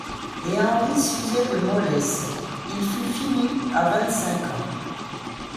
Et Henri s'usait de mollesse ; il fut fini à vingt-cinq ans.